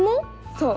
そう。